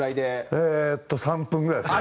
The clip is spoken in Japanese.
えーっと３分ぐらいですね。